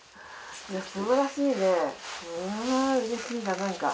すばらしいね、うれしいな、なんか。